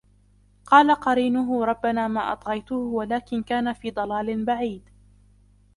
قَالَ قَرِينُهُ رَبَّنَا مَا أَطْغَيْتُهُ وَلَكِنْ كَانَ فِي ضَلَالٍ بَعِيدٍ